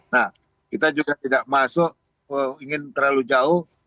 nah kita juga tidak masuk ingin terlalu jauh